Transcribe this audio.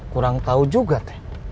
kurang tau juga teh